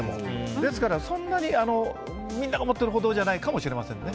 ですから、そんなにみんなが思っているほどじゃないかもしれないですね。